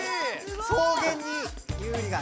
草原にユウリが。